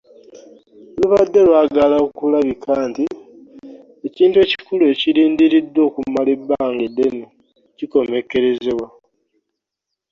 Lubadde lwagala okulabika nti ekintu ekikulu ekirindiriddwa okumala ebbanga eddene kikomekkerezebwa